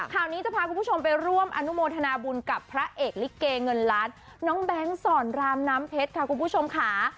ข่าวนี้จะพาคุณผู้ชมไปร่วมอนุโมทนาบุญกับพระเอกลิเกเงินล้านน้องแบงค์สอนรามน้ำเพชรค่ะคุณผู้ชมค่ะ